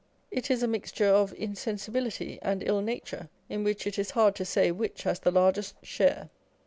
It is a mixture of insensibility and ill nature, in which it is hard to say which has the largest share.